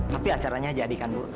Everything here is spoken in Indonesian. tapi acaranya jadikan bu